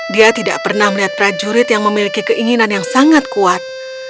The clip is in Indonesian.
dia tidak pernah melihat prajurit yang memiliki keinginan yang sangat kuat